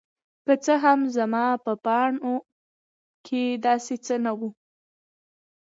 که څه هم زما په پاڼو کې داسې څه نه وو.